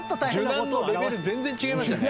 受難のレベル全然違いましたね。